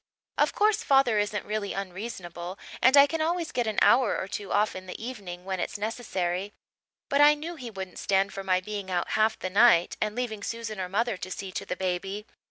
Of course father isn't really unreasonable and I can always get an hour or two off in the evening when it's necessary; but I knew he wouldn't stand for my being out half the night and leaving Susan or mother to see to the baby.